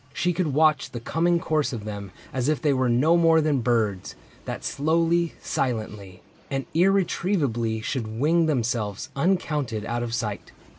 She could watch The coming course of them as if they were No more than birds, that slowly, silently. And irretrievably should wing themselves Uncounted out of sight.